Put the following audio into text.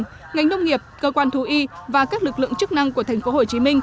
tuy nhiên ngành nông nghiệp cơ quan thú y và các lực lượng chức năng của tp hcm